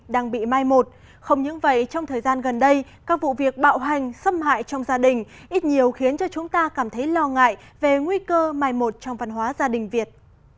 đang bị mai một không những vậy trong thời gian gần đây các vụ việc bạo hành xâm hại trong gia đình ít nhiều khiến cho chúng ta cảm thấy lo ngại về nguy cơ mai một trong văn hóa gia đình việt